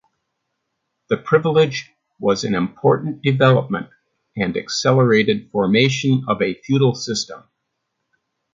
The privilege was an important development and accelerated formation of a feudal system.